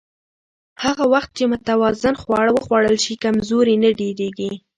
هغه وخت چې متوازن خواړه وخوړل شي، کمزوري نه ډېریږي.